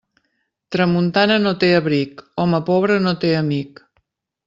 Tramuntana no té abric; home pobre no té amic.